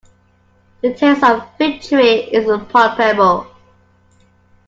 The taste of victory is palpable.